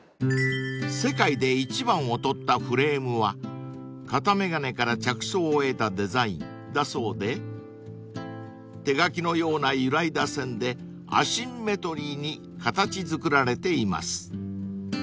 ［世界で一番を取ったフレームは片眼鏡から着想を得たデザインだそうで手描きのような揺らいだ線でアシンメトリーに形作られています］